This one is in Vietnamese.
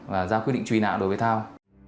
và giao quyết định truy nã đối với thao